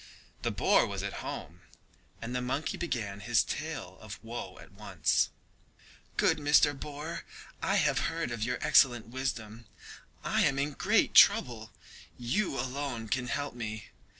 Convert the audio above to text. The boar was at home, and the monkey began his tale of woe at once. "Good Mr. Boar, I have heard of your excellent wisdom. I am in great trouble, you alone can help me.